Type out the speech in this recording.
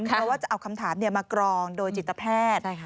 เพราะว่าจะเอาคำถามมากรองโดยจิตแพทย์